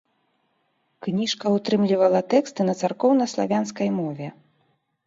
Кніжка ўтрымлівала тэксты на царкоўнаславянскай мове.